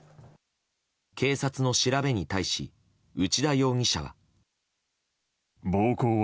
警察の調べに対し内田容疑者は。